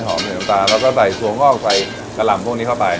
ใส่น้ำตาลแล้วก็ใส่ถั่วงอกใส่กะหล่ำพวกนี้เข้าไป